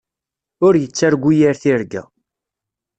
Ur yettargu yir tirga.